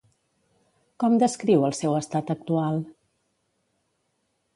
Com descriu el seu estat actual?